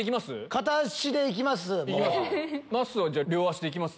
片足で行きます。